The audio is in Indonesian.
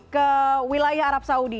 ke wilayah arab saudi